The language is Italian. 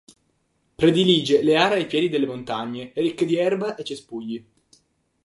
Predilige le aree ai piedi delle montagne, ricche di erba e cespugli.